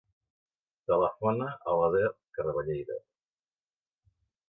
Telefona a l'Eder Carballeira.